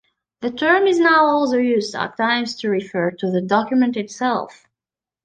The term is now also used at times to refer to the document itself.